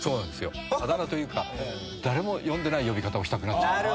「あだ名というか誰も呼んでない呼び方をしたくなっちゃう」